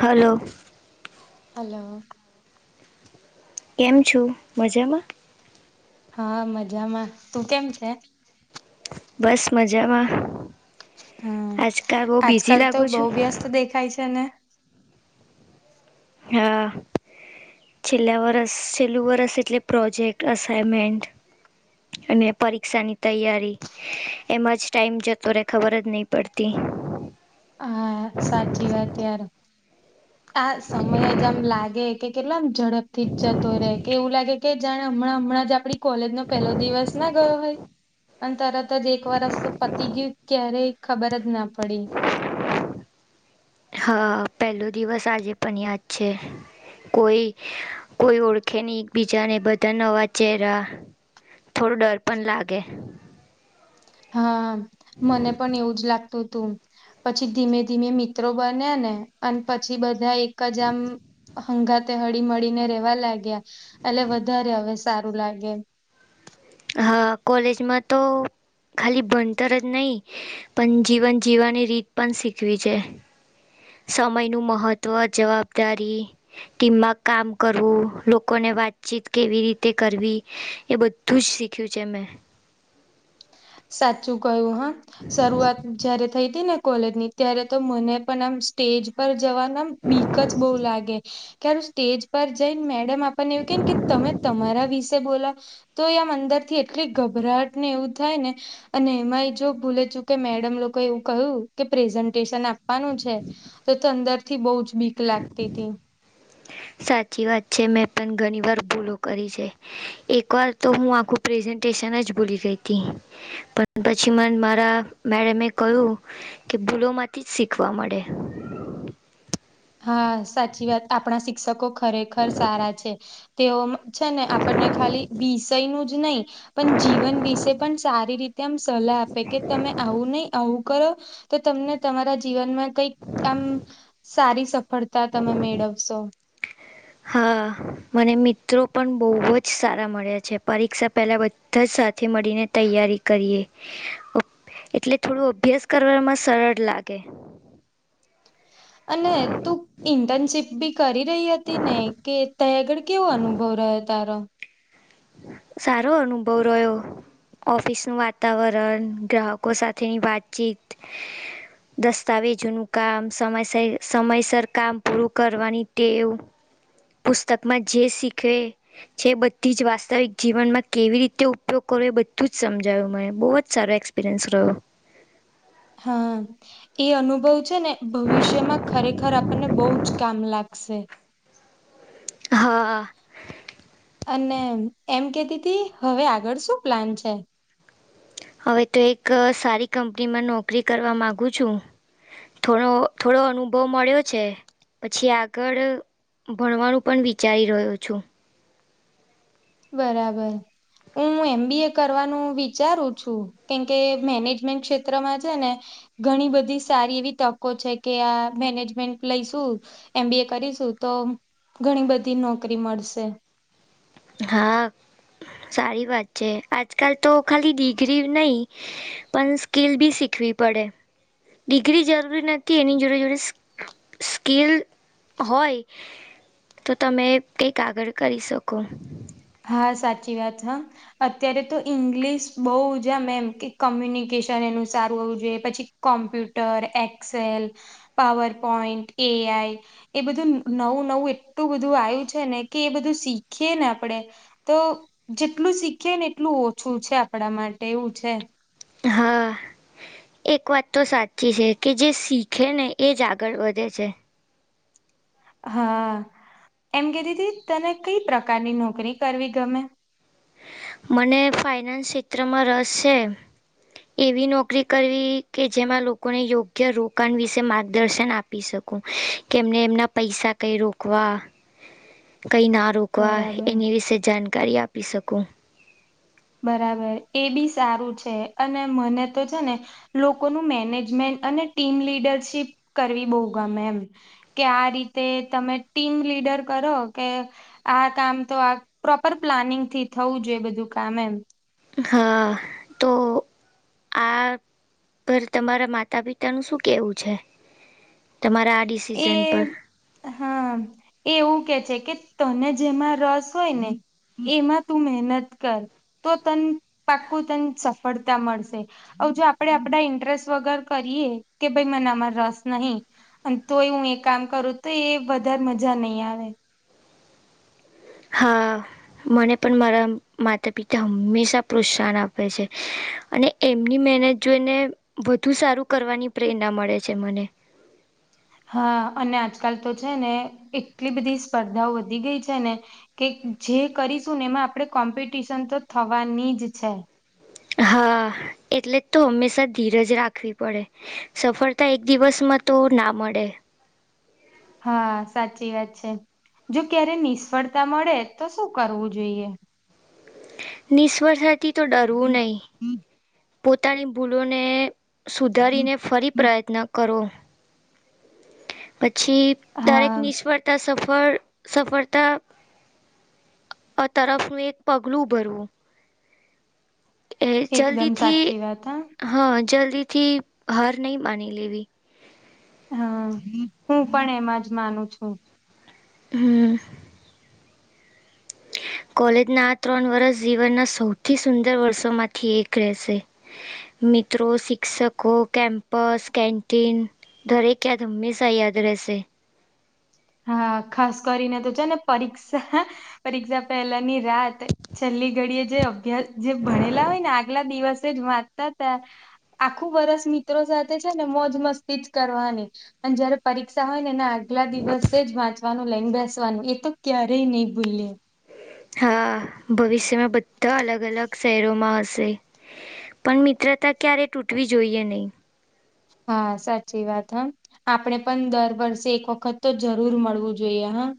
Hello hello કેમ છો મજામાં હા મજામાં તું કેમ છે બસ મજામાં હમ આજકાલ બહ બિઝી આજકાલ તો લાગો બહુ છો વ્યસ્ત દેખાય છે ને હા. છેલ્લા વરસ છેલ્લુ વરસ એટલે પ્રોજેક્ટ અસાઇનમેન્ટન્ટ. અને પરીક્ષા ની તૈયારી. એમાંજ ટાઈમ જતો રે ખબર જ નહી પડતી. હા સાચી વાત ત્યારે આ સમય જ આમ લાગે કે કેટલામ ઝડપ થી જ જતો રહે કે એવું લાગે. કે જાણે હમણા હમણા આપણી. કોલેજ નો પેલો દિવસ ના ગયો હોય પણ તરત જ એક વરસ તો પતી ગયું ક્યારેય. ખબર જ ના પડી. હા પેલો દિવસ આજે પણ યાદ છે. કોઈ કોઈ ઓળખેની એકબીજાને બધા નવા ચહેરા. થોડો ડર પણ લાગે. હા મને પણ એવું જ લા તું પછી ધીમે ધીમે મિત્રો બને ને અને પછી બધા એ એકજ આમ હંગાતે હળી મળળીને રેવા લાગ્યા એટલે વધારે હવે સારું લાગે. હા કોલેજમાં તો ખાલી ભણતર જ નહીં. પણ જીવન જીવવાની રીત પણ શીખવી છે. સમયનું મહત્વ જવાબદારી. ટીમમાં કામ કરવું લોકોને વાતચીત કેવી રીતે કરવી એ બધ. તું જ શીખવ છે મેં. સાચું કયું હા શરૂઆત જયારે થઈ હતી ને. કોલેજ ની ત્યારે તો મને પણ આમ સ્ટેજ પર જવાનુંમ બીક જ બહુ લાગે. તારું સ્ટેજ પર જઈને મેડમ આપણને એવું કે ને કે તમે તમારા વિશે બોલા. તો એ આમ અંદર થી એટલી ગભરાટ ને એવું થાય ને. અને એમાં એ જો ભૂલે ચુકે મેડમ લોકો એવું કહ્યું કે પ્રેઝન્ટેશન આપવાનું છે. તો ત અંદર થી બહુ જ ભીક લાગતી હતીી. સાચી વાત છે મેં પણ ઘણી વાર ભૂલો કરી છે. એક વાર તો હું આખું પ્રેઝન્ટેશન જ બોલી ગઈ હતી. પણ પછી મને મારા મેડમે એ કહ્યું. કે ભૂલો માંથી જ શીખવા મળે. હા સાચી વાત આપણા શિક્ષકો ખરેખર સારા છે તેઓ. છે ને આપણને ખાલી વિષયનું જ નહીં. પણ જીવન વિશે પણ સારી રીતે આમ સલાહ આપે કે તમે આવું નહી આવું. કરો તો તમને તમારા જીવનમાં કઈક આમ સારી. ફરતા તમે મેળવશો. હા મને મિત્રો પણ બહુ જ સારા મળ્યા છે પરીક્ષા પહેલાં. સાથે મળીને તૈયારી કરીએ. એટલે થોડું અભ્યાસ કરવામાં સરળ લાગે. અને તું. ઇન્ટર્નશીપ બી કરી રહી હતી ને કે તેં આગળ કેવો અનુભવ રહ્યો તારો. સારો અનુભવ રહ્યો. ઓફિસ નું વાતાવરણ ગ્રાહકો સાથેની વાતચીત. દસ્તાવેજોનુંું કામ સમય સમયસર કામ પૂરું કરવાની તે એવું. પુસ્તકમાં જે શીખવે જે બધી જ વાસ્. વાસ્તવિક જીવનમાં કેવી રીતે ઉપયોગ કરવો એ બધું જ સમજાય્યું મને બહુ જ સારો એક્સપિરિયન્સ રહ્યો. હા. એ અનુભવ છે ને ભવિષ્યમાં ખરેખર આપણને બહુ જ કામ લાગશે હા અને એમ કેતીી હતી હવે આગળ શું પ્લાન છે હવે તો એક સારી કંપનીમાં નોકરી કરવા માગુ છું થોડો થોડો અનુભવ મળ્યો છે પછી આગળ ભણવાનું પણ વિચારી રહ્યો છું બરાબર હું એમ બી એ કરવાનું વિચારું છું કેમકે મેનેજમેન્ટ ક્ષેત્રમાં છે ને ઘણી બધી સારી એવી તકો છે કે આ મેનેજમેન્ટ લઈશું એમ બી એ કરીશું તો ઘણી બધી નોકરી મળશે હા સારી વાત છે આજ કલ તો ખાલી ડિગ્રી નહી પણ સ્કીલ બી શીખવી પડે ડિગ્રી જરૂરી નથી એની જોડે જોડે સ્કીલ હોય તો તમે કક કાગળ કરી શકો ક હા સાચી વાત હ અત્યારે તો ઈંગ્લિશ બહુ જમ એમ કે કોમ્યુનિકેશન એનું સારું હોવું જોઈએ પછી કોમ્પ્યુટર એક્સેલ પાવર પોઈન્ટન્ટ એ આઈ એ બધું નવું નવું એટલું બધું આવ્યું છે ને કે એ બધું શીખીયએ ને આપડે તો જેટલું શીખીએ ને એટલું ઓછું છે આપણા માટે એવું છે હા એક વાત તો સાચી છે કે જે શીખે ને એ જ આગળ વધે છે હા એમ કતી હતીી તને કઈ પ્રકારની નોકરી કરવી ગમે મને ફાાઈનાન્સ ક્ષેત્રમાં રસ છે એવી નોકરી કરવી કે જેમાં લોકોને યોગ્ય રોકાણ વિશે માર્ગદર્શન આપે. શ, કે એમને એમના પૈસા કઈ રોકવા કઈ ના રોકવા બરાબર એની વિશે જાણકારી આપી શકું બરાબર એ બી સારું છે અને મને તો છે ને લોકોનું મેનેજમેન્ટ અને ટીમ લીડરશીપ કરવી બહુ ગમે એમ કે આ રીતે તમે ટીમ લીડર કરો કે આ કામ તો આ પ્રોપર પ્લાનિંગ થી થવું જોઈએ બધું કામ એમ. હા તો આપ પર તમારા માતા પિતા નું શું કેવું છે? તમારા આ ડિસિઝન પર એ હા એવું કે છે કે, તને જેમાં રસ હોય ને. એમાં તું મહેનત કર, તો તન પાક્કું તને સફળતા મળશે. હ જો આપડે આપડા ઇન્ટરેસ્ટ વગર કરીએ કે ભાઈ મને આમાં રસ નહી. અને તોય હું એ કામ કરું તો એ વધારે મજા નહીં આવે. હા. મને પણ મારા માતા પિતા હંમેશા પ્રોત્સાહન આપે છે, અને એમની મહેનત જોઈને વધુ સારું કરવાની પ્રેરણા મળે છે મને. હા અને આજકાલ તો છે ને એટલી બધી સ્પર્ધાઓ વધી ગઈ છે ને. કે જે કરીશું ને એમાં આપણેે કોમ્પિટિશન તો થવાની જ છે. હા એટલે તો હંમેશા ધીરજ રાખવી પડે. સફળતા એક દિવસમાં તો ના મળે. હા સાચી વાત છે, જો ક્યારે નિષ્ફળતા મળે તો શું કરવું જોઈએ? નિષ્વર્તાથી તો ડરવું નહી, પોતાની ભૂલોને સુધારીને ફરી પ્રયત્ન કરો. પછી દરેક હા નિષ્ફળતા સફર સફળતા અ તરફનું એક પગલું ભરવું. એ એકદમ જલ્દીથી સાચી વાત હા જલ્દીથી હાર નહીં માની લેવી. હા હું પણ એમાં જ માનું છું. હમ. કોલેજના આ ત્રણ વર્ષ જીવનના સૌથી સુંદર વર્ષોમાંથી એક રહેશે. મિત્રો શિક્ષકો કેમ્પસ કેંન્ટીન. ઘરે ક્યા ધમ્મી સા યાદ રહેશે. હા ખાસ કરીને તો છે ને પરીક્ષા પરીક્ષા પહેલા ની રાત. છેલ્લી ઘડી એ જે અભ્યાસ જે ભણેલા હોય ને આગલા દિવસે જ વાંચતા હતા. આખું વરસ મિત્રો સાથે છે ને મોજ મસ્તીજ કરવાની. અને જયારે પરીક્ષા હોય ને એના આગલા દિવસ લને બેસવાનું એ તો ક્યારેય નહી ભૂલ્યું. હા ભવિષ્યમાં બધા અલગ અલગ શહેરોમાં હશે. પણ મિત્રતા ક્યારે તૂટવી જોઈએ નહી. હા સાચી વાત હા. આપણે પણ દર વર્ષે એક વખત તો જરૂર મળવું જોઈએ હા.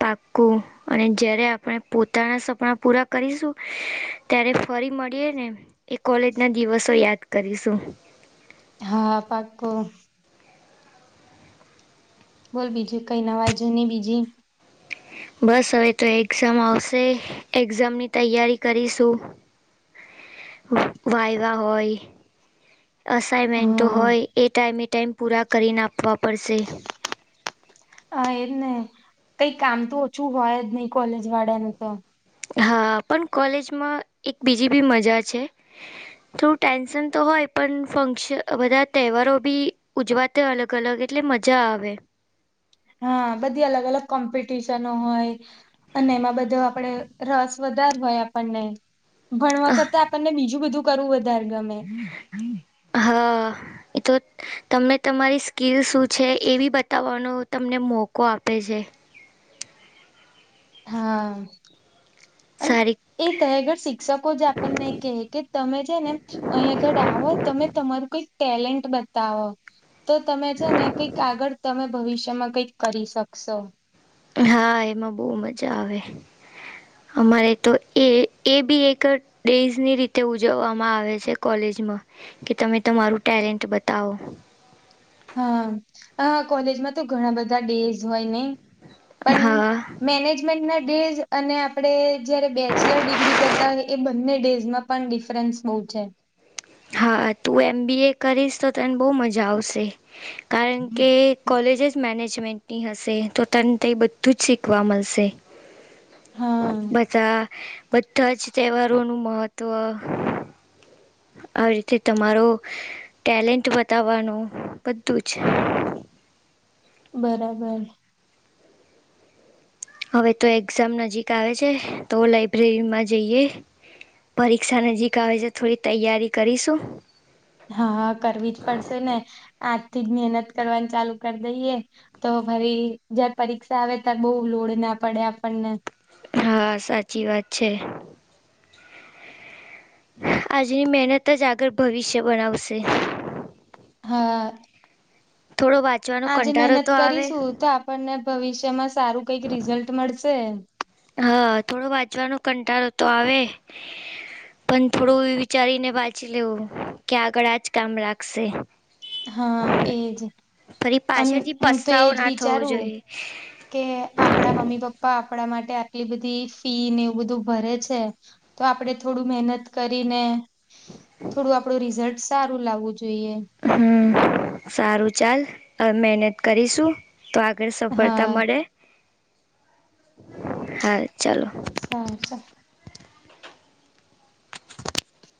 પાકું. અને જયારે આપણે પોતાના સપના પૂરા કરીશું, ત્યારે ફરી મળીએ ને. એ કોલેજ ના દિવસો યાદ કરીશું. હા પાકો. બોલ બીજું કઈ નવાજો નહી બીજી. બસ હવે તો એક્ઝામ આવશે એક્ઝામની તૈયારી કરીશું. વાયવા હોય. અસાાઈનમેન્ટો હા હોય એ ટાઈમે ટાઈમ પૂરા કરીને આપવા પડશે. હ એજ ને, કઈ કામ તો ઓછું હોય જ નહીિ કોલેજ વાળાનું તો. હા પણ કોલેજમાં એક બીજી બી મજા છે. થોડું ટેન્શન તો હોય પણ ફંક્શન બધા તહેવારો બી ઉજવાતા અલગ અલગ એટલે મજા આવે. હા બધી અલગ અલગ કોમ્પિટિશનો હોય, અને એમાં બધો આપડે રસ વધારે હોય, આપણને ભણતા વખતે આપણને બીજું બધું. કરવું વધારે ગમે. હા, એ તો તમને તમારી સ્કીલ શું છે, એ બી બતાવવાનો. તમને મોકો આપે છે. હા, અને સારી એ તહેગર શિક્ષકો જે આપણને કહે કે તમે છે ને, અહીં આગળ આવો. તમે તમારું કોઈક ટેલેન્ટ બતાવો. તો તમે છે ને, કંઈક આગળ. તમે ભવિષ્યમાં કંઈક કરી શકશો? હા, એમાં બહુ મજા આવે. અમારે તો એ, એ, બી, એક. ડેઝની રીતે ઉજવવામાં આવે છે, કોલેજમાં. કે તમે તમારું ટેલેન્ટ બતાવો. હા, કોલેજમાં તો ઘણા બધા ડેઝ હોય ને. પણ હા મેનેજમેન્ટના ડેઝ, અને આપણે જયારે બેચલર ડિગ્રી કરતા હોય, એ બંને ડેઝમાં પણ ડિફરન્સ બહુ છે. હા, તું એમ બી એ કરીશ, તો તને બહુ મજા આવશે, કારણ કે કોલેજ જ મેનેજમેન્ટની હશે, તો તને તં બધું જ શીખવા મળશે. હા બધા બધા જ તહેવારોનું મહત્વ આવી રીતે તમારો ટેલેન્ટ બતાવવાનું બધું જ બરાબર. હવે તો એક્ઝામ નજીક આવે છે, તો લઇબ્રેરીમાં જઈએ. પરીક્ષા નજીક આવે છે, થોડી તૈયારી કરીશું. હા, કરવી જ પડશે ને. આજથી જ મહેનત કરવાની ચાલુ કરી દઈએ. તો ફરી જયારે પરીક્ષા આવે, ત્યારે બહુ લોડ ના પડે આપણને. હા, સાચી વાત છે. આજની મહેનત જ આગળ ભવિષ્ય બનાવશે. હા, થોડો વાંચવાનો આજે કંટાળો મહેનત તો આવે કરીશું. તો આપણને ભવિષ્યમાં સારું કંઈક રિઝલ્ટ મળશે. હ, થોડો વાંચવાનો કંટાળો તો આવે. પણ થોડું એ વિચારીને વાંચી લેવું, કે આગળ આજ કામ લાગશે. હ, એજ. ફરી અને પાછળથી હું તો પસ્તાવો એજ ના થવો વિચારું, જોઈએ કે આપણા મમ્મી-પપ્પા. આપણા માટે આટલી બધી ફી ને એવું બધું ભરે છે. તો આપણેે થોડું મહેનત કરીને. થોડું આપડું રિઝલ્ટ સારું લાવવું જોઈએ. હમ, સારું. હવે ચાલ, મહેનત કરીશું. તો આગળ સફળતા હા મળે. હા, ચાલો. સારું, ચાલ.